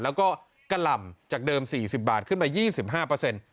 แล้วก็กะหล่ำจากเดิม๔๐บาทขึ้นมา๒๕เปอร์เซ็นต์